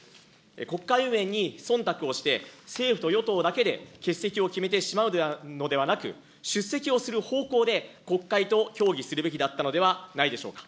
国会運営にそんたくをして、政府と与党だけで欠席を決めてしまうのではなく、出席をする方向で国会と協議するべきだったのではないでしょうか。